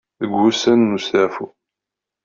Deg wussan n usetaɛfu.